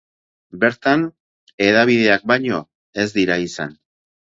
Bertan hedabideak baino ez dira izan.